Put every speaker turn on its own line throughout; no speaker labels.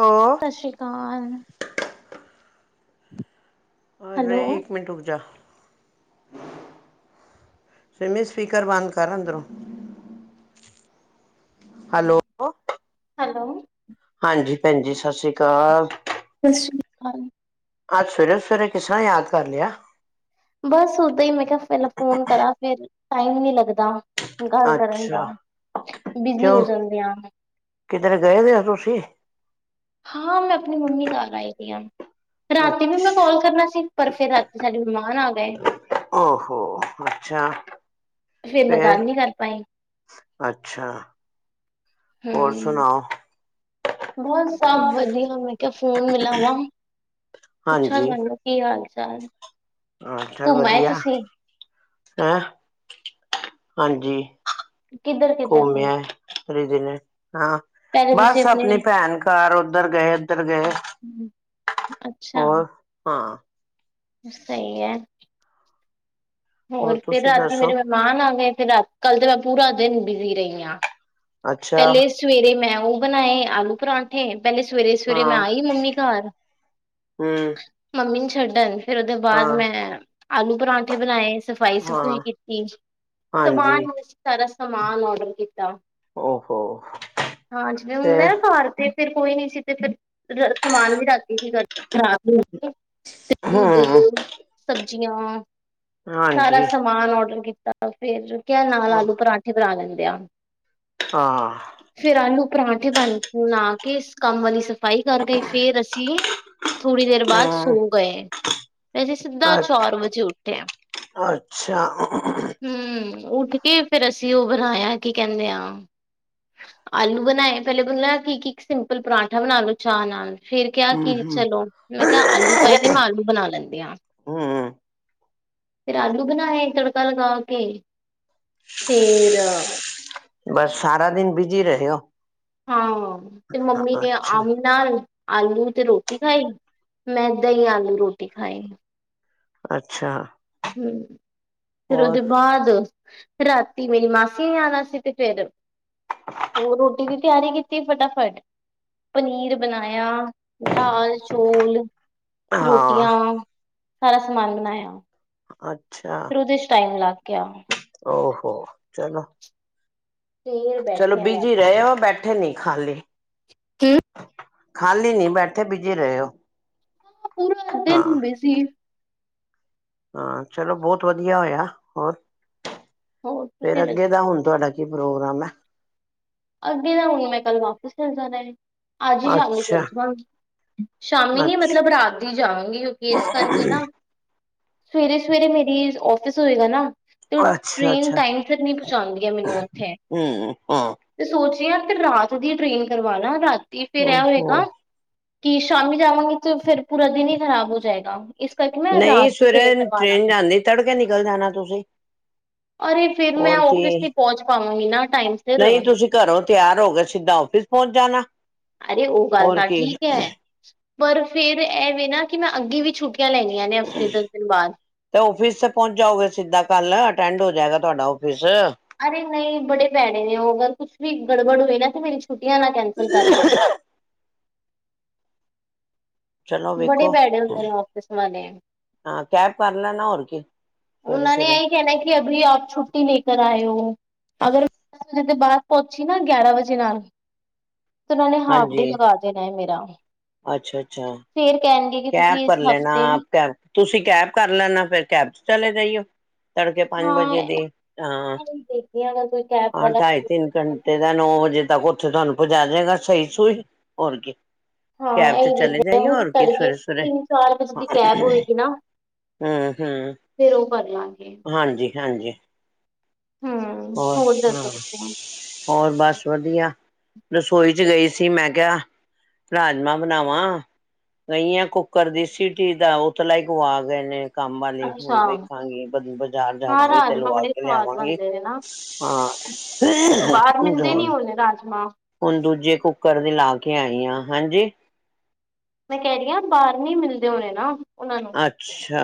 Hello,
ਸਤਿ ਸ੍ਰੀ ਅਕਾਲ।
ਅਰੇ
ਹੈਲੋ
ਇੱਕ ਮਿੰਟ ਰੁਕ ਜਾ। ਸੀਮੀ ਸਪੀਕਰ ਬੰਦ ਕਰ ਅੰਦਰੋਂ। ਹੈਲੋ
ਹੈਲੋ
ਹਾਂਜੀ ਭੈਣ ਜੀ, ਸਤਿ ਸ੍ਰੀ ਅਕਾਲ।
ਸਤਿ ਸ਼੍ਰੀ ਅਕਾਲ।
ਅੱਜ ਸਵੇਰੇ-ਸਵੇਰੇ ਕਿਸ ਤਰ੍ਹਾਂ ਯਾਦ ਕਰ ਲਿਆ।
ਬਸ ਓਦਾਂ ਈਂ ਮੈਂ ਕਿਆ ਪਹਿਲੇ ਫੋਨ ਕਰਾਂ ਫਿਰ ਟਾਈਮ ਨ੍ਹੀਂ ਲੱਗਦਾ। ਗੱਲ ਕਰਨ ਦਾ
ਅੱਛਾ
ਬਿਜੀ ਹੋ
ਕਿਉਂ
ਜਾਂਦੇ ਆ
ਕਿਧਰੇ ਗਏ ਦੇਓ ਤੁਸੀਂ?
ਹਾਂ, ਮੈਂ ਆਪਣੀ ਮੰਮੀ ਨਾਲ ਆਈ ਦੀ ਆਂ। ਰਾਤੀ ਮੈਂ ਵੀ ਕਾਲ ਕਰਨਾ ਸੀ ਪਰ ਫਿਰ ਰਾਤੀ ਸਾਡੇ ਮਹਿਮਾਨ ਆ ਗਏ।
ਓਹੋ, ਅੱਛਾ।
ਮੈਂ
ਫਿਰ
ਗੱਲ ਨੀ ਕਰ ਪਾਈ
ਅੱਛਾ, ਹੋਰ ਸੁਣਾਓ।
ਬਹੁਤ ਸਭ ਵਧੀਆ ਮੈਂ ਕਿਆ ਫੋਨ ਮਿਲਾਵਾਂ ਪੁੱਛਾਂ ਤੁਹਾਨੂੰ ਕੀ ਹਾਲ? [unintelligible]
ਹਾਲ ਚਾਲ
ਘੁੰਮ ਆਏ
ਵਧੀਆ,
ਤੁਸੀਂ
ਹੈਂ! ਹਾਂਜੀ।
ਕਿੱਧਰ ਕਿੱਧਰ
ਘੁੰਮਿ
ਘੁੰਮ
ਆਏ [inaudible] ਦਿਨੇ। ਹਾਂ,
ਪਹਿਲੇ ਤੁਸੀਂ
ਬਸ ਆਪਣੀ
ਆਪਣੇ
ਭੈਣ ਘਰ ਉੱਧਰ ਗਏ, ਇਧਰ ਗਏ।
ਅੱਛਾ।
ਹੋਰ ਹਾਂ
ਸਹੀ ਐ। ਹੋਰ ਫਿਰ
ਤੁਸੀਂ
ਰਾਤੀ
ਦੱਸੋ?
ਮੇਰੇ ਮਹਿਮਾਨ ਆ ਗਏ, ਫਿਰ ਰਾ ਕੱਲ ਤੇ ਬਾ ਪੂਰਾ ਦਿਨ ਬਿਜੀ ਰਈ ਆਂ।
ਅੱਛਾ
ਪਹਿਲੇ ਸਵੇਰੇ ਮੈਂ ਉਹ ਬਣਾਏ ਆਲੂ ਪਰੋਂਠੇ। ਪਹਿਲੇ ਸਵੇਰੇ-ਸਵੇਰੇ ਮੈਂ
ਹਾਂ
ਆਈ ਮੰਮੀ ਘਰ,
ਹਮ
ਮੰਮੀ ਛੱਡਣ। ਫਿਰ ਉਹਦੇ ਬਾਅਦ
ਹਾਂ
ਮੈਂ ਆਲੂ ਪਰਾਂਠੇ ਬਣਾਏ। ਸਫ਼ਾਈ ਸਫੂਈ
ਹਾਂ
ਕੀਤੀ
ਹਾਂਜੀ
ਸਮਾਨ ਸਾਰਾ। ਸਮਾਨ ਆਰਡਰ ਕੀਤਾ।
ਓਹੋ
ਹਾਂ, ਜਿਵੇਂ
ਤੇ
ਹੁਣ ਮੈਂ ਘਰ ਸੀ ਤੇ ਫਿਰ ਕੋਈ ਨੀ ਸੀ ਤੇ ਫਿਰ ਸਮਾਨ ਵੀ ਰਾਤੀ ਕਿ ਕਰਦੀ। ਹਾਂ, ਦੁੱਧ
ਹਮ
ਸਬ ਜੀ ਹ ਸਾਰਾ
ਹਾਂਜੀ
ਸਮਾਨ ਔਡਰ ਕੀਤਾ ਤਾਂ ਫੇਰ ਨਾਲ ਆਲੂ ਪਰਾਂਠੇ ਬਣਾ ਲੈਣੇ ਵਿਿਆਾਮ
ਹਾਂ
ਪਰਾਂਠੇ ਬਣ ਲਾ ਕੇ ਇਸ ਕੰਮੀ ਸਫ਼ਾਈ ਕਰ ਗਏ ਫੇਰ ਅਸੀਂ ਥੋੜ੍ਹੀ ਦੇਰ ਬਾਅਦ
ਹਮ
ਸੋ ਗਏ ਅਸੀਂ ਸਿੱਧਾ ਚਾਰ ਵਜੇ ਉੱਠਿਆ
ਅੱਛਾ
ਹਮ ਉੱਠ ਕੇ ਫਿਰ ਅਸੀਂ ਅਸੀਂ ਉਹ ਬਣਾਇਆ ਕੀ ਕਹਿੰਦੇ ਆ ਆਲੂ ਬਣਾਏ ਪਹਿਲੇ ਪਲ ਕੀ ਕੀ ਇੱਕ ਸਿੰਪਲ ਪਰਾਂਠਾ ਬਣਾ ਲੋ ਚਾਹ ਨਾਲ ਫੇਰ ਕਿਹਾ
ਹਮ
ਕਿ
ਹਮ
ਚਲੋ ਮੈਂ ਕਿਹਾ ਆਲੂ ਪਏ ਨੇ ਮੈਂ ਆਲੂ ਬਣਾ ਲੈਂਦੀ ਹ
ਹਮ
ਫਿਰ ਆਲੂ ਬਣਾਏ ਤੜਕਾ ਲਗਾ ਕੇ ਸੇਰ
ਬਸ ਸਾਰਾ ਦਿਨ ਬੀਜੀੀ ਰੋ
ਹਾਂ ਤੇ ਮੰਮੀ ਨੇ ਆਮ ਨਾਲ ਆਲੂ ਤੇ ਰੋਟੀ ਖਾਈ ਮੈਂ ਦਹੀਂ ਆਲੂ ਰੋਟੀ ਖਾਾਈ
ਅੱਛਾ
ਹਮ ਫਿਰ
ਹੋਰ
ਉਹਦੇ ਬਾਅਦ ਰਾਤੀ ਮੇਰੀ ਮਸੀ ਨਾਸੀ ਚਰ ਉਹਰ ਰੋਟੀ ਦੀ ਤਿਆਰੀ ਕੀਤੀ ਫਟਾਫਟ ਪਨੀਰ ਬਣਾਇਆ ਦਾਲ ਚੋਲ
ਹਾਂ
ਰੋਟੀਆਂ ਸਾਰਾ ਸਮਾਨ ਬਣਾਇਆ
ਅੱ
ਫਿਰ ਉਹਦੇ ਚ ਟਾਈਮ ਲੱਗ ਗਿਆ
ਹੋੋ ਚਲੋ
ਫੇਰ
ਚਲੋ
ਬੈਠੇ ਆ
ਬੀਜੀ ਰਹੇ ਹੋ ਬੈਠ ਉਠੇ ਨਹੀਂ ਖਾਲੀ
ਕੀ?
ਖਾਲੀ ਨੀ ਬੈਠੇ ਬੀਜੀ ਰਹੇ ਹੋ।
ਹਾਂ ਪੂਰਾ ਦਿਨ
ਹਾਂ
ਬਿਜੀ
ਹਾਂ, ਚਲੋ ਬਹੁਤ ਵਧੀਆ ਹੋਇਆ ਹੋਰ
ਹੋਰ
ਫੇਰ
ਤੁਸੀਂ
ਅੱਗੇ
ਦੱਸੋ
ਦਾ ਹੁਣ ਤੁਹਾਡਾ ਕੀ ਪ੍ਰੋਗਰਾਮ ਐ।
ਅੱਗੇ ਦਾ ਹੁਣ ਮੈਂ ਕੱਲ ਵਾਪਿਸ ਚਲ ਜਾਣਾ ਏ। ਅੱਜ ਹੀ ਸ਼ਾਮੀ ਚੱਲ
ਅੱਛਾ,
ਜਾਵਾਂਗੀ, ਸ਼ਾਮੀ ਨੀ
ਅੱਛਾ,
ਮਤਲਬ ਰਾਤ ਦੀ ਜਾਵਾਂਗੀ ਕਿਉਂਕਿ ਇਸ ਕਰਕੇ ਨਾ ਸਵੇਰੇ, ਸਵੇਰੇ ਮੇਰੀ ਔਫਿਸ ਹੋਏਗਾ ਨਾ ਤੇ
ਅੱਛਾ,
ਟ੍ਰੇਨ
ਅੱਛਾ
ਟਾਈਮ ਸਿਰ ਨਹੀਂ ਪਹੁੰਚਾਂਦੀ ਹੈ ਮੈਨੂੰ ਉੱਥੇ
ਹੂੰ, ਹੂੰ।
ਸੋਚਿਆ ਫੇਰ ਰਾਤ ਦੀ ਟ੍ਰੇਨ ਕਰਵਾਲਾ ਰਾਤ ਤੇ ਫੇਰ ਇਹ ਹੋਏਗਾ
ਓਹੋ,
ਕਿ ਸ਼ਾਮੀ ਜਾਵਾਂਗੀ ਤਾਂ ਫੇਰ ਪੂਰਾ ਦਿਨ ਹੀ ਖਰਾਬ ਹੋ ਜਾਏਗਾ ਇਸ ਕਰਕੇ ਮੈਂ ਰਾਤ
ਨਹੀਂ,
ਦੀ
ਸਵੇਰੇ
ਕਰਵਾ
ਟ੍ਰੇਨ
ਲਾਂਗੀ
ਜਾਂਦੀ ਤੜਕੇ ਨਿਕਲ ਜਾਣਾ ਤੁਸੀਂ
ਅਰੇ ਫੇਰ ਮੈਂ
ਹੋਰ ਕੀ,
ਔਫਿਸ ਨਹੀਂ ਪਹੁੰਚ ਪਾ ਪਵਾਂਗੀ ਨਾ। ਟਾਈਮ ਸਿਰ
ਨਹੀਂ ਤੁਸੀਂ ਘਰੋਂ ਤਿਆਰ ਹੋ ਕੇ ਸਿੱਧਾ ਆਫਿਸ ਪਹੁੰਚ ਜਾਣਾ।
ਅਰੇ, ਉਹ ਗੱਲ
ਹੋਰ
ਤਾਂ
ਕੀ,
ਠੀਕ ਐ। ਪਰ ਫੇਰ ਇਹਵੇ ਨਾ ਕਿ ਮੈਂ ਅੱਗੇ ਵੀ ਛੁੱਟੀ
ਤੇ ਔਫਿਸ ਤੇ ਪਹੁੰਚ ਜਾਓਗੇ ਸਿੱਧਾ ਕੱਲ੍ਹ ਅਟੈਂਡ ਹੋ ਜਾਏਗਾ ਤੁਹਾਡਾ ਔਫਿਸ
ਅਰੇ ਨਹੀਂ ਬੜੇ ਭੈੜੇ ਨੇ ਉਹ ਗਰ ਕੁੱਛ ਵੀ ਗੜਬੜ ਹੋਏ ਨਾ ਤੇ ਮੇਰੀ ਛੁੱਟੀਆਂ ਨਾ ਕੈਂਸਲ ਕਰ ਦੇਣ।
ਚਲੋ ਵੇਖੋ ਹੂੰ, ਹਾਂ ਕੈਬ ਕਰ ਲੈਣਾ ਹੋਰ ਕੀ?
ਉਹਨਾਂ ਨੇ
ਸਵੇਰੇ-ਸਵੇਰੇ
ਇਹੀ ਕਹਿਣਾ ਕਿ ਅਭੀ ਆਪ ਛੁੱਟੀ ਲੇ ਕਰ ਆਏ ਹੋ। ਅਗਰ ਦਸ ਵਜੇ ਤੋਂ ਬਾਅਦ ਪਹੁੰਚੀ ਨਾ ਗਿਆਰਾਂ ਵਜੇ ਨਾਲ ਤੇ ਉਹਨਾਂ ਨੇ ਹਾਫ ਡੇ ਲਗਾ ਦੇਣਾ ਹੈ ਮੇਰਾ।
ਅੱਛਾ -ਅੱਛਾ।
ਫੇਰ ਕਹਿਣਗੇ ਕਿ
ਕੈਬ
ਤੁਸੀਂ ਇਸ
ਕਰ ਲੈਣਾ
ਹਫ਼ਤੇ
ਆਪ ਕੈਬ, ਤੁਸੀਂ ਕੈਬ ਕਰ ਲੈਣਾ ਫੇਰ ਕੈਬ ਚਲੇ ਜਾਈਓ। ਤੜਕੇ ਪੰਜ
ਹਾਂ
ਵਜੇ ਦੇ ਨਾਲ ਹਾਂ
ਇਹੀ ਦੇਖਦੀ ਹਾਂ ਅਗਰ ਕੋਈ ਕੈਬ
ਹਾਂ
ਵਾਲਾ
ਢਾਈ ਤਿੰਨ ਘੰਟੇ ਦਾ ਨੌ ਵਜੇ ਤੱਕ ਉੱਥੇ ਤੁਹਾਨੂੰ ਪਹੁਚਾ ਜਾਏਗਾ ਸਹੀ ਸੂਈ ਹੋਰ ਕੀ
ਹਾਂ
ਕੈਬ ਚ
ਇਹ
ਚਲੇ ਜਾਈਏ ਹੋਰ ਕੀ
ਕਰ
ਸਵੇਰੇ ਸਵੇਰੇ
ਤਿੰਨ ਚਾਰ ਵਜੇ ਦੀ ਕੈਬ
ਹਮ
ਹੋਏਗੀ ਨਾ
ਹਮ
ਫਿਰ ਉਹ ਕਰ ਲਾਂਗੇ
ਹਾਂਜੀ ਹਾਂਜੀ
ਹਮ
ਹੋਰ ਹਾਂ
ਦੱਸੋ ਤੁਸੀਂ
ਹੋਰ ਬਸ ਵਧੀਆ ਰਸੋਈ ਚ ਗਈ ਸੀ ।ਮੈਂ ਕਿਹਾ ਰਾਜਮਾਂ ਬਣਾਵਾਂ । ਗਈ ਆ ਕੁੱਕਰ ਦੀ ਸੀਟੀ ਦਾ ਉਤਲਾ ਹੀ ਗੁਆ ਗੇ ਨੇ। ਕੰਮ ਵਾਲੇ
ਅੱਛਾ
ਹੁਣ ਵੇਖਾਂਗੇ ਬਜ ਬਾਜ਼ਾਰ ਜਾਵਾਂਗੇ ਤੇ ਲਵਾ ਕੇ ਲਿਆਵਾਂਗੇ।
ਦੇਣਾ। ਬਾਹਰ ਮਿਲਦੇ ਨੀ ਹੋਦੇ ਰਾਜਮਾ
ਹੁਣ ਦੂਜੇ ਕੁੱਕਰ ਦੀ ਲਾ ਕੇ ਆਈ ਆਂ ਹਾਂਜੀ।
ਮੈਂ ਕੈ ਰੀ ਆਂ ਬਾਰ ਨੀ ਮਿਲਦੇ ਹੋਣੇ ਨਾ। ਉਹਨਾਂ ਨੂੰ।
ਅੱਛਾ,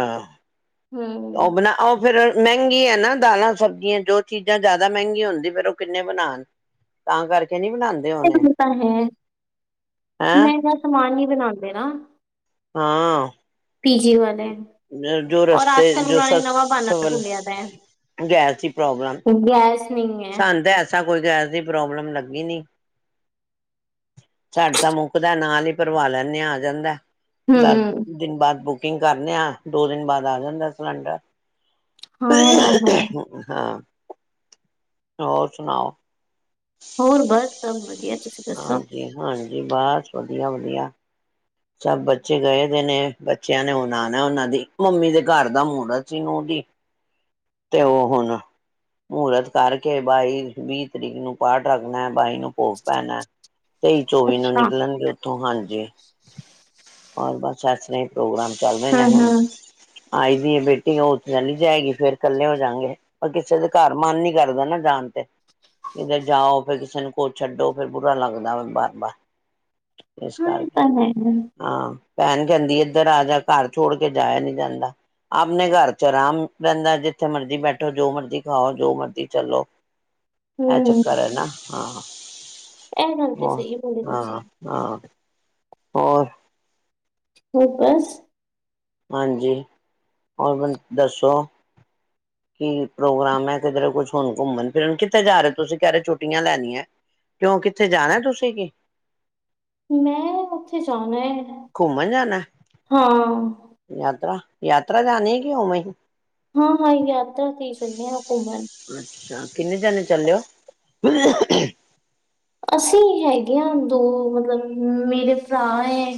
ਹੂੰ।
ਔ ਬਣਾ ਔ ਫਿਰ ਮੈੰਗੀ ਹੈ ਨਾ ਦਾਲਾਂ ਸਬਜ਼ੀਆਂ ਜੋ ਚੀਜ਼ਾਂ ਜੈਦਾ ਮੈੰਗੀ ਹੁੰਦੀ ਫਿਰ ਔ ਕਿੰਨੇ ਬਣਾਣ ਤਾਂ ਕਰਕ
ਐ ਹੁਣ ਤਾ ਹੈ
ਹੈਂ
ਮੈੰਗਾ ਸਮਾਨ ਵੀ ਬਣਾਂਦੇ ਨਾ
ਹਾਂ।
ਪੀਜੀ ਵਾਲੇ।
ਅ ਜੋ ਰਸਤੇ ਚ ਜੋ ਸਸ ਵਲ ਗੈਸ ਦੀ ਪ੍ਰੋਬਲਮ ਸਾਣ ਤੇ ਐਸਾ ਕੋਈ ਗੈਸ ਦੀ ਪ੍ਰੋਬਲਮ ਲੱਗੀ ਨੀ। ਸੈਡ ਤਾ ਮੁੱਕਦੈ ਨਾਲ ਈ ਪਰਵਾ ਲੈਂਣੇ ਆ ਜਾਂਦਾ। ਦਸ
ਹੂੰ।
ਦਿਨ ਬਾਦ ਬੁਕ ਬਕਿੰਗ ਕਰਨੇ ਆਂ ਦੋ ਦਿਨ ਬਾਅਦ ਆ ਜਾਂਦਾ ਸਿਲੰਡਰ।
ਹਾਂ ਇਹ ਤਾਂ ਹੈ
ਹਾਂ। ਹੋਰ ਸੁਣਾਓ?
ਹੋਰ ਬਸ ਸਭ ਵਧੀਆ। ਤੁਸੀਂ ਦੱਸੋ?
ਹਾਂਜੀ ਹਾਂ। ਹਾਂਜੀ ਬਸ ਵਧੀਆ ਵਧੀਆ। ਸਭ ਬੱਚੇ ਗਏ ਦੇ ਨੇ ਬੱਚਿਆਂ ਨੇ ਹੋਣ ਔਨਾਂ ਦੀ ਇੱਕੋ ਮੇਰੇ ਘਰ ਦਾ ਮੂਰਤ ਸੀ, ਔਦੀ ਤੇ ਔ ਹੋਣ ਮੂਰਤ ਕਰਕੇ ਬਾਈ ਵੀਹ ਤਰੀਕ ਨੂੰ ਪਾਠ ਰੱਖਣੈ ਬਾਈ ਨੂੰ ਭੋਗ ਪੈਣੈ। ਤੇਈ ਚੌਵੀ ਨੂੰ
ਅੱਛਾ।
ਨਿਕਲਣਗੇ ਔਥੋਂ, ਹਾਂਜੀ। ਹਾਂ, ਬਸ ਸਰੇ ਪ੍ਰੋਗਰਾਮ ਚੱਲਨੇ ਨੇ ਹੁਣ
ਹਾਂ-ਹਾਂ। ਹਾਂ
ਆਈ ਦੀ ਏ ਬੇਟੀ ਔ ਚੱਲੀ ਜਾਏਗੀ ਫੇਰ ਕੱਲੇ ਹੋ ਜਾਂਗੇ ਪਰ ਕਿਸੇ ਦੇ ਘਰ ਮਨ ਨੀ ਕਰਦਾ ਨਾ ਜਾਣ ਤੇ ਕਿਦੇ ਜਾਓ ਫੇਰ ਕਿਸੇ ਨੂੰ ਕੋ ਛੱਡੋ ਫੇਰ ਬੁਰਾ ਲੱਗਦਾ ਵੇ ਬਾਰ ਬਾਰ। ਏਸ
ਹਾਂ ਇਹ
ਕਰਕੇ
ਤਾਂ ਹੈ
ਹਾਂ। ਭੈਣ ਕੈੰਦੀ ਏਧਰ ਆ ਜਾ ਘਰ ਛੋੜ ਕੇ ਜਾਯਾ ਨੀ ਜਾਂਦਾ ਆਪਣੇ ਘਰ ਚ ਆਰਾਮ ਰੈੰਦੈ ਜਿ ਜਿੱਥੇ ਮਰਜ਼ੀ ਬੈਠੋ, ਜੋ ਮਰਜ਼ੀ ਖਾਓ, ਜੋ ਮਰਜ਼ੀ ਚੱਲੋ। ਐ
ਹੂੰ
ਚੱਕਰ ਹੈ ਨਾ ਹਾਂ।
ਇਹ ਗੱਲ ਤੇ
ਵ
ਸਹੀ ਬੋਲੀ ਤੁਸੀਂ।
ਹਾਂ ਹਾਂ। ਹੋਰ?
ਹੋਰ ਬਸ।
ਹਾਂਜੀ। ਹੋਰ ਦੱਸੋ ਕੀ ਪ੍ਰੋਗਰਾਮ ਹੈ ਕਿਧਰੇ ਕੁਛ ਹੁਣ ਘੁੰਮਣ ਫਿਰਨ ਕਿੱਥੇ ਜਾ ਰਹੇ ਤੁਸੀਂ? ਕਹਿ ਰਹੇ ਛੁੱਟੀਆਂ ਲੈਨੀਆਂ, ਕਿਉਂ ਕਿੱਥੇ ਜਾਣਾ ਤੁਸੀਂ ਜੀ?
ਮੈਂ ਉੱਥੇ ਜਾਣਾ ਐ।
ਘੁੰਮਣ ਜਾਣਾ? ਯਾਤਰਾ? ਯਾਤਰਾ ਜਾਨੀ ਕਿ ਉਂਵੇ ਹੀ?
ਹਾਂ ਹਾਂ ਯਾਤਰਾ ਤੇ ਚੱਲੇ ਆਂ ਘੁੰਮਣ।
ਅੱਛਾ ਕਿੰਨੇ ਜਣੇ ਚਲੇ ਓ?
ਅਸੀਂ ਹੈਗੇ ਆ ਦੋ ਮਤਲਬ ਮੇਰੇ ਭਰਾ ਐ,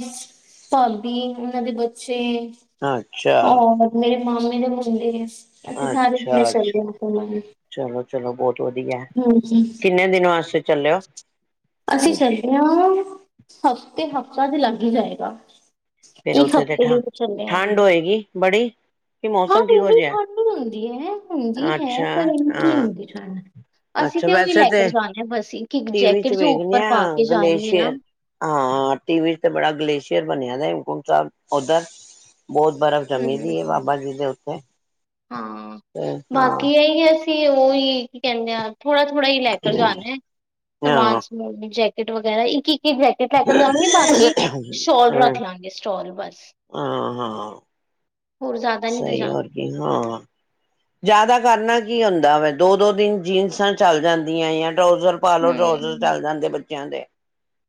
ਭਾਬੀ, ਉਹਨਾਂ ਦੇ ਬੱਚੇ।
ਅੱਛਾ
ਹੋਰ ਮੇਰੇ ਮਾਮੇ [unintelligible] ਸਾਰੇ ਜਣੇ
ਅੱਛਾ ਅੱਛਾ
ਚੱਲਦੇ ਹਾਂ ਘੁੰਮਣ
ਚਲੋ ਚਲੋ ਬਹੁਤ ਵਧੀਆ।
ਹਮ
ਕਿੰਨੇ ਦਿਨ ਵਾਸਤੇ ਚੱਲਿਓ
ਅਸੀਂ ਚਲੀਆਂ ਹਫ਼ਤੇ, ਹਫ਼ਤਾ ਵੀ ਲੱਗ ਈ ਜਾਏਗਾ।
ਫ਼ੇਰ
ਇੱਕ
ਉੱਥੇ ਤੇ
ਹਫ਼ਤੇ ਲਈ
ਠੰ,
ਤਾਂ ਚੱਲੇ ਆ
ਠੰਡ ਹੋਏਗੀ ਬੜੀ? ਕਿ
ਹਾਂ
ਮੌਸਮ ਕਿਹੋ
ਇਹਨੀ
ਜਿਹਾ
ਠੰਡ ਨੀ ਹੁੰਦੀ ਐ, ਹੁੰਦੀ ਐ,
ਅੱਛਾ
ਪਰ ਏਨੀ ਨੀ
ਹਾਂ
ਹੁੰਦੀ ਠੰਡ। ਅਸੀਂ
ਅੱਛਾ
ਤੇ ਉਹੀ
ਵੈਸੇ
ਲੈ ਕੇ
ਤੇ
ਜਾਣੇ ਆ ਬਸ, ਇੱਕ ਇੱਕ
ਟੀਵੀ ਚ
ਜੈਕਟ ਜੋਂ
ਵੇਖਦੇ
ਉੱਪਰ
ਆ
ਪਾ ਕੇ ਜਾਣੀ ਏ ਨਾ
ਗਲੇਸ਼ੀਅਰ ਹਾਂ ਟੀ ਵੀ ਤੇ ਬੜਾ ਗਲੇਸ਼ੀਅਰ ਬਣਿਆ ਗਾ ਹੇਮਕੁੰਟ ਸਾਹਿਬ। ਓਧਰ ਬਹੁਤ ਬਰਫ਼ ਜਮੀ ਵੀ ਐ,
ਹਮ
ਬਾਬਾ ਜੀ ਦੇ ਉੱਤੇ। ਤੇ ਹਾਂ
ਤੇ ਉਹੀ ਕੀ ਕਹਿੰਦੇ ਆ ਥੋੜਾ ਥੋੜਾ ਹੀ ਲੈ ਕਰ ਜਾਣਾ ਐ, ਸਮਾਨ
ਹਾਂ
ਸਮੂਨ ਜੈ ਕਟ ਵਗੈਰਾ ਇੱਕ ਇੱਕ ਕਿ ਜੈਕਟ ਲੈ ਕਰ ਜਾਵਾਂਗੇ, ਬਾਕੀ ਸ਼ੋਲ ਰੱਖ ਲਾਂਗੇ, ਸਟੋਲ ਬਸ।
ਆਹ ਹਾਂ
ਹੋਰ ਜ਼ਿਆਦਾ ਨਹੀਂ
ਸਹੀ
ਲਿਜਾ
ਹੋਰ ਕੀ ਹਾਂ। ਜ਼ਿਆਦਾ ਕਰਨਾ ਕੀ ਹੁੰਦਾ ਵਾ, ਦੋ ਦੋ ਦਿਨ ਜੀਨਸਾਂ ਚੱਲ ਜਾਂਦੀਆ ਏ ਆ। ਟਰਾਊਜ਼ਰ ਪਾ ਲਓ, ਡਰਾਊਜ਼ਰ
ਹਮ
ਚੱਲ ਜਾਂਦੇ ਬੱਚੇ ਕਹਿੰਦੇ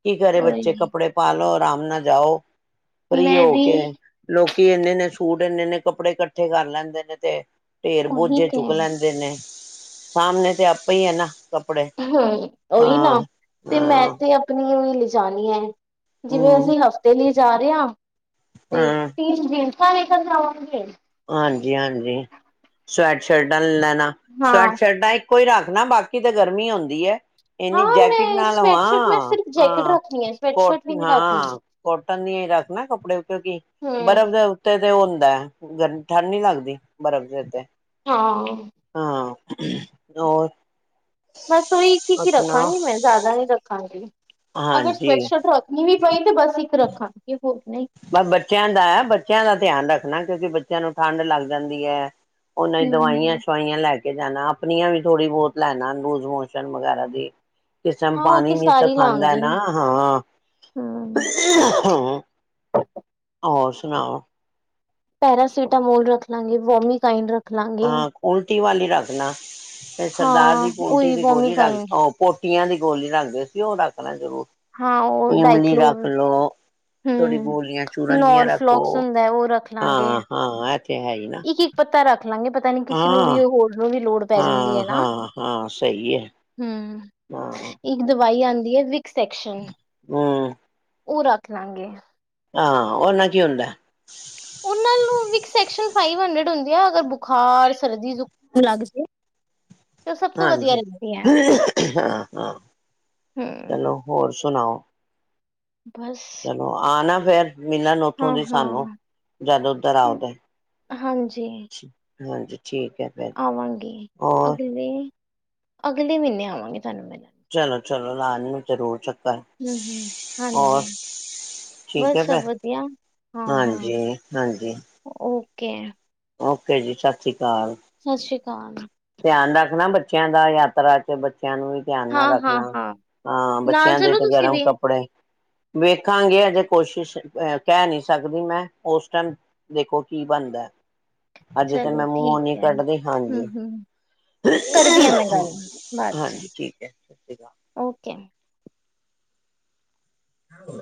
ਕੀ ਕਰੇ ਬੱਚੇ?
ਉਹੀ
ਕੱਪੜੇ ਪਾ ਲੋ। ਆਰਾਮ ਨਾਲ ਜਾਓ। ਫ੍ਰੀ
ਮੈਂ
ਹੋ
ਵੀ
ਕੇ ਲੋਕ ਕੀ ਐਨੇ ਐਨੇ ਸੂਟ, ਐਨੇ ਐਨੇ ਕੱਪੜੇ ਇਕੱਠੇ ਕਰ ਲੈਂਦੇ ਨੇ ਤੇ ਢੇਰ ਬੋਝੇ
ਉਹੀ ਤੇ
ਚੁੱਕ ਲੈਂਦੇ ਨੇ। ਸਾਹਮਣੇ ਤੇ ਆਪੇ ਹੀ ਆ ਨਾ। ਕੱਪੜੇ
ਹੂੰ, ਉਹੀ ਨਾ
ਹਾਂ
ਤੇ ਮੈਂ
ਹਾਂ
ਤੇ ਆਪਣੀ ਲਿਖ ਜਾਣੀ ਹੈ, ਜਿਵੇਂ
ਹਮ
ਅਸੀਂ ਹਫ਼ਤੇ ਲਈ, ਜਾ ਰਿਹਾ, ਤੇ
ਹਾਂ
ਤਿੰਨ ਦਿ [unintelligible]
ਹਾਂਜੀ-ਹਾਂਜੀ ਸਵੈਟ ਸ਼ਰਟਾਂ ਲੈ,
ਹਾਂ
ਸਵੈਟ ਸ਼ਰਟਾ ਕੋਈ ਰੱਖ ਨਾ ਬਾਕੀ ਤਾਂ ਗਰਮੀ ਆਉਂਦੀ ਹੈ। ਇਹਨੀ
ਹਾਂ ਮੈਂ
ਜੈਕਟ ਨਾਲ
ਸਵੈਟਸ਼ਰਟ ਮੈਂ ਸਿਰਫ ਜੈਕਟ
ਹਾਂ-ਹਾਂ
ਰੱਖਣੀ ਹੈ
ਕੋਟ
ਸਵੈਟਸ਼ਰਟ ਵੀ ਨਹੀਂ ਰੱਖਣੀ
ਹਾਂ ਕੋਟਨ ਦੀ ਰੱਖ ਨਾ ਕੱਪੜੇ ਕਿਉਂਕਿ
ਹੂੰ
ਬਰਫ਼ ਦੇ ਉੱਤੇ ਹੁੰਦਾ, ਗਰ ਠੰਡ ਨੀ ਲਗਦੀ ਬਰਫ਼ ਦੇ ਉੱਤੇ
ਹਾਂ,
ਹਾਂ ਹੋਰ?
ਬਸ ਉਹੀ ਕਿ ਕੀ
ਸੁਣਾਓ
ਰੱਖਾਂਗੀ ਮੈਂ ਜ਼ਿਆਦਾ ਨਹੀਂ ਰੱਖਾਂਗੀ। ਅਗਰ
ਹਾਂਜੀ
ਸਵੈਟ ਸ਼ਰਟ ਰੱਖਣੀ ਵੀ ਪਈ ਤੇ ਬਸ ਇੱਕ ਰੱਖਾਂ
ਬ ਬੱਚਿਆਂ ਦਾ ਬੱਚਿਆਂ ਦਾ ਧਿਆਨ ਰੱਖਣਾ। ਕਿਉਂਕਿ ਬੱਚਿਆਂ ਨੂੰ ਠੰਢ ਲੱਗ ਜਾਂਦੀ ਹੈ। ਉਹਨਾਂ ਹੀ ਦਵਾਈਆਂ
ਹੂੰ।
ਸਵਾਈਆਂ ਲੈ ਕੇ, ਜਾਣਾ ਆਪਣੀਆਂ ਵੀ ਥੋੜ੍ਹੀ ਬਹੁਤ ਲੈਣਾ ਰੂਜ਼ ਮੋਸ਼ਨ ਵਗੈਰਾ ਦੀ, ਕਿਸ ਟਾਈਮ
ਹਾਂ ਉਹ
ਪਾਣੀ
ਤੇ
ਨੀ
ਸਾਰੀ
ਸਖਾਂਦਾ
ਲਾਂਗੀ।
ਨਾ ਹਾਂ,
ਹੂੰ।
ਹੂੰ, ਹੋਰ ਸੁਣਾਓ?
ਪੈਰਾਸੀਟਾਮੋਲ ਰੱਖ ਲਾਂਗੇ ਵੋਮਈਨ ਰੱਖ, ਲਾਂਗੇ।
ਹਾਂ ਉਲਟੀ ਵਾਲੇ, ਰੱਖਣਾ, ਸਰਦਾਰ ਜੀ
ਹਾਂ
ਪੋਟੀ
ਉਹੀ
ਦੀ ਗੋਲੀ
ਵੋਮੀਕਾਈਨ
ਰਖਲੋ। ੀਆਂ ਦੀ ਗੋਲੀ ਰੰਗਦੇ [inaudible] [inaudible] [unintelligible] [inaudible] ਸੀ ਉਹ ਰੱਖਣਾ ਜ਼ਰੂਰ
ਹਾਂ ਉਹ
ਇਮਲੀ
ਡਾਇਕਲੋ
ਰੱਖ ਲੋ ਥੋੜੀ
ਹਮ
ਗੋਲੀਆਂ ਚੂਰਨ ਦੀਆਂ
ਨੋਰ
ਰੱਖੋ
ਫਲੋਕਸ ਹੁੰਦਾ ਉਹ ਰੱਖ ਲਾਂਗੇ
ਹਾਂ ਹਾਂ ਇਹ ਤੇ ਹੈ ਹੀ ਨਾ
ਇੱਕ -ਇੱਕ ਪੱਤਾ ਰੱਖ ਲਾਂਗੇ ਪਤਾ ਨੀ ਕਿਸੇ ਨੂੰ ਵੀ
ਹਾਂ
ਹੋਰ ਨੂੰ ਵੀ ਲੋੜ ਪੈ ਜਾਂਦੀ
ਹਾਂ
ਹੈ ਨਾ
ਹਾਂ ਹਾਂ ਸਹੀ ਹੈ
ਹਮ
ਹਾਂ
ਇੱਕ ਦਵਾਈ ਆਉਂਦੀ । ਵੀ [inaudible] [inaudible] ਸੈਕਸ਼ਨ ।
ਹਮ
ਉਹ, ਰੱਖ ਲਾਂਗੇ।
ਹਾਂ । ਓ ਨਾਲ ਕੀ ਹੁੰਦਾ?
ਉਹਨਾਂ ਨੂੰ ਵੀ, ਸੈਕਸ਼ਨ । ਫਾਈਵ ਹੰਡਰਡ ਹੁੰਦੇ ਆ, ਅਗਰ ਬੁਖਾਰ । ਸਰਦੀ, ਜੁਕਾਮ ਲੱਗ ਜਾਏ।
ਹਾਂਜੀ। ਹਾਂ, ਹਾਂ।
ਹਮ
ਚਲੋ, ਹੋਰ ਸੁਣਾਓ ।
ਬਸ
ਚਲੋ, ਆ ਨਾ । ਫਿਰ ਮਿਲਣ ਉੱਥੋਂ
ਹਾਂ
ਦੀ ਸਾਨੂੰ,
ਹਾਂ
ਜਦ ਉਧਰ ਆਉਗੇ। ਹਾਂਜੀ। ਠੀਕ ਹੈ ਫੇਰ
ਆਵਾਂਗੇ,
ਹੋਰ
ਅਗਲੇ, ਅਗਲੇ ਮਹੀਨੇ ਆਵਾਂਗੇ ਤੁਹਾਨੂੰ ਮਿਲਣ ।
ਚਲੋ, ਚਲੋ ਲਾ ਲੈਣਾ ਜਰੂਰ ਚੱਕਰ।
ਹਮ, ਹਮ ।ਹਾਂਜੀ।
ਹੋਰ ਠੀਕ ਹੈ
ਬਸ
ਫੇਰ
ਸਭ ਵਧੀਆ। ਹਾਂ, ਹਾਂ।
ਹਾਂਜੀ, ਹਾਂਜੀ
ਓ ਕੇ।
ਓਕੇ ਜੀ। ਸਤਿ ਸ਼੍ਰੀ ਅਕਾਲ। ਕਾਲ।
ਕਾਲ।
ਧਿਆਨ ਰੱਖਣਾ ਬੱਚਿਆਂ ਦਾ, ਯਾਤਰਾ ਚ । ਬੱਚਿਆਂ ਨੂੰ ਵੀ ਧਿਆਨ
ਹਾਂ
ਨਾਲ
ਹਾਂ
ਰੱਖਣਾ।
ਹਾਂ
ਆਂ,
ਨਾਲ
ਬੱਚਿਆਂ ਦੇ
ਚਲੋ
ਵੀ
ਤੁਸੀਂ
ਗਰਮ ਕੱਪੜੇ। ਵੇਖਾਂਗੇ । ਅਜੇ ਕੋਸ਼ਿਸ਼, ਅਹ ਕਹਿ ਨਹੀਂ ਸਕਦੀ ਮੈਂ, ਉਸ ਟਾਈਮ ਦੇਖੋ ਕੀ ਬਣਦਾ। ਹਜੇ।
ਚਲੋ ਠੀਕ ਹੈ ਹਮ ਹਮ ਕਰਦੀ ਆ ਮੈਂ ਗੱਲ ਬਾਅਦ ਚ
ਹਾਂਜੀ ਠੀਕ ਹੈ। ਸਤ ਸ੍ਰੀ ਅਕਾਲ।
ਓਕੇ
ਹਾਂ।